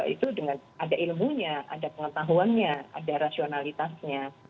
itu dengan ada ilmunya ada pengetahuannya ada rasionalitasnya